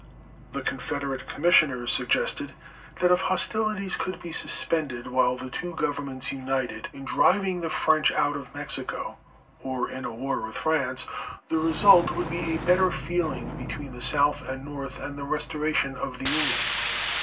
The Confederate Commissioners suggested that if hostilities could be suspended while the two Governments united in driving the French out of Mexico, or in a war with France, the result would be a better feeling between the South and North, and the restoration of the Union.